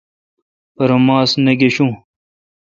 پرہ ماس نہ گشون۔